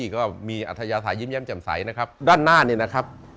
ก็มีอัธยาศัยยิ้มแย้มแจ่มใสนะครับด้านหน้านี่นะครับ